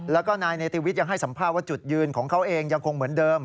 แล้วก็นายเนติวิทย์ยังให้สัมภาษณ์ว่าจุดยืนของเขาเองยังคงเหมือนเดิม